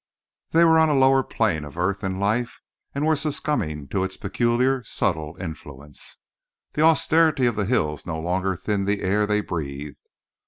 They were on a lower plane of earth and life and were succumbing to its peculiar, subtle influence. The austerity of the hills no longer thinned the air they breathed.